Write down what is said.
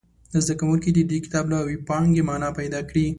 زده کوونکي دې د دې کتاب له وییپانګې معنا پیداکړي.